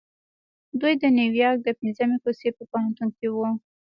دوی د نيويارک د پنځمې کوڅې په پوهنتون کې وو.